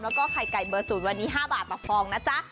แล้วก็ไข่ไก่เบอร์๐วันนี้๕บาทต่อฟองนะจ๊ะ